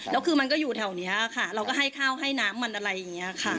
แล้วคือมันก็อยู่แถวนี้ค่ะเราก็ให้ข้าวให้น้ำมันอะไรอย่างนี้ค่ะ